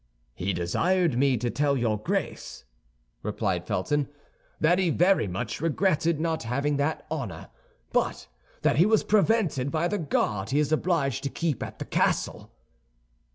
"He desired me to tell your Grace," replied Felton, "that he very much regretted not having that honor, but that he was prevented by the guard he is obliged to keep at the castle."